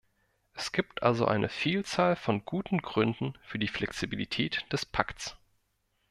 Es gibt also eine Vielzahl von guten Gründen für die Flexibilität des Pakts.